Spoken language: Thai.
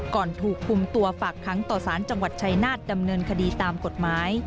ถูกคุมตัวฝากค้างต่อสารจังหวัดชายนาฏดำเนินคดีตามกฎหมาย